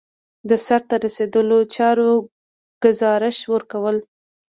د سرته رسیدلو چارو ګزارش ورکول.